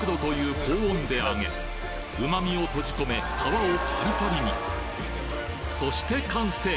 旨みを閉じ込め皮をパリパリにそして完成！